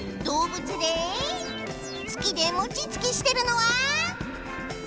どうぶつでつきでもちつきしてるのは？